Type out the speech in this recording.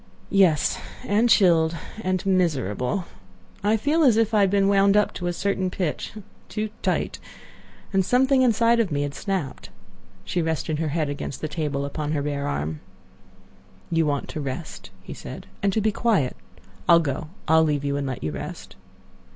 "Yes, and chilled, and miserable. I feel as if I had been wound up to a certain pitch—too tight—and something inside of me had snapped." She rested her head against the table upon her bare arm. "You want to rest," he said, "and to be quiet. I'll go; I'll leave you and let you rest."